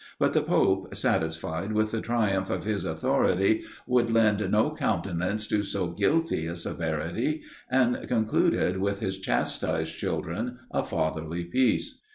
But the pope, satisfied with the triumph of his authority, would lend no countenance to so guilty a severity, and concluded with his chastised children a fatherly peace.